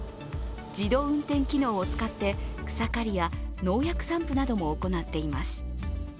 自動運転機能を使って草刈りや農薬散布なども行っています。